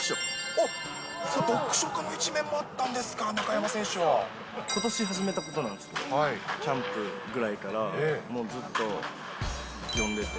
おっ、読書家の一面もあったことし始めたことなんですけど、キャンプぐらいからもうずっと読んでて。